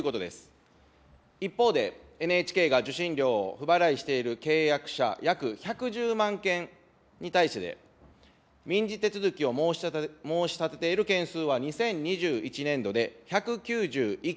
一方で、ＮＨＫが受信料を不払いしている契約者、約１１０万件に対する民事手続きを申し立てている件数は２０２１年度で１９１件。